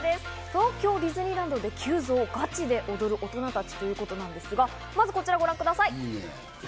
東京ディズニーランドで急増、ガチで踊る大人たちということなんですが、まずはこちらをご覧ください。